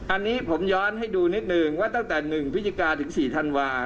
อันนี้ผมย้อนให้ดูนิดนึงว่าตั้งแต่๑พฤศจิกาถึง๔ธันวา